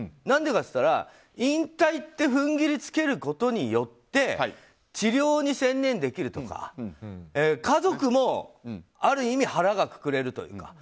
何でかといったら引退って踏ん切り付けることによって治療に専念できるとか家族も、ある意味腹がくくれるというか。